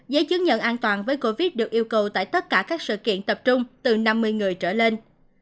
giấy chứng nhận an toàn với covid được yêu cầu tại tất cả các sự kiện tập trung từ năm mươi người trở lên